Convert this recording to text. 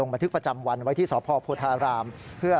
วันนี้มันต้านไม่ไหวก็บอกให้ล็อกไปเลย